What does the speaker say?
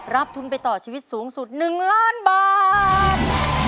ทุนไปต่อชีวิตสูงสุด๑ล้านบาท